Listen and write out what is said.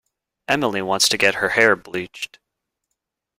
Emily wants to get her hair bleached.